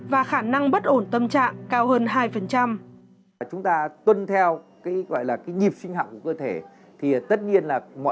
và khá nhiều người bị trầm cảm